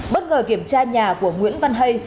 bất ngờ kiểm tra nhà của nguyễn văn hay